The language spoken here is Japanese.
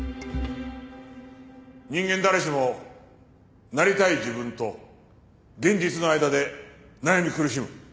人間誰しもなりたい自分と現実の間で悩み苦しむ。